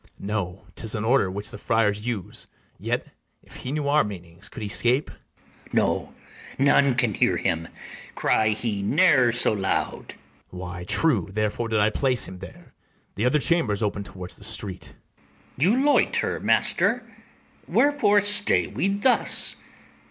BARABAS. No; 'tis an order which the friars use: Yet, if he knew our meanings, could he scape? ITHAMORE. No, none can hear him, cry he ne'er so loud. BARABAS. Why, true; therefore did I place him there: The other chambers open towards the street. ITHAMORE. You loiter, master; wherefore stay we thus?